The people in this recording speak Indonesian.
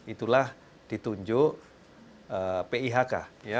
itulah ditunjuk pihk